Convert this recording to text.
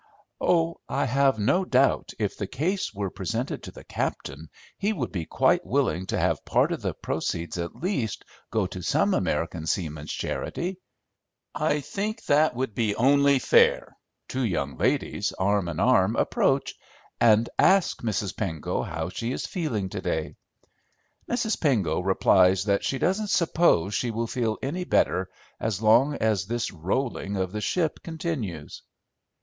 "Oh, I have no doubt if the case were presented to the captain, he would be quite willing to have part of the proceeds at least go to some American seamen's charity." "I think that would be only fair." Two young ladies, arm in arm, approach, and ask Mrs. Pengo how she is feeling to day. Mrs. Pengo replies that she doesn't suppose she will feel any better as long as this rolling of the ship continues.